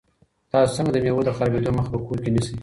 تاسو څنګه د مېوو د خرابېدو مخه په کور کې نیسئ؟